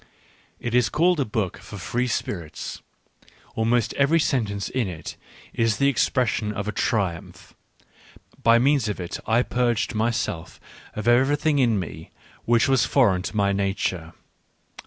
It is called a book for free spirits : almost every sentence in it is the ex pression of a triumph — by means of it I purged my self of everything in me which was foreign to my nature.